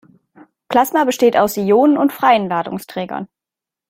Plasma besteht aus Ionen und freien Ladungsträgern.